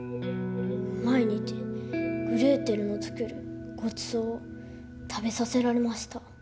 毎日グレーテルの作るごちそうを食べさせられました。